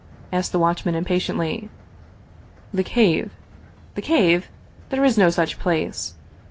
" asked the watchman impatiently. " The Cave." " The Cave ? There is no such place